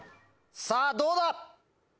さぁどうだ？